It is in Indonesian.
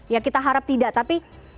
ya kita harap tidak tapi